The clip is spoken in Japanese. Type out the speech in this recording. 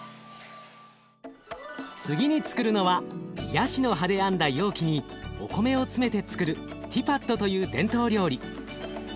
次につくるのはヤシの葉で編んだ容器にお米を詰めてつくるティパットという伝統料理。